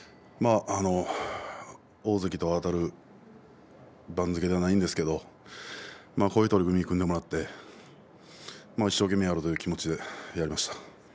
大関とあたる番付ではないんですけどこういう取組を組んでもらって一生懸命やろうという気持ちでやりました。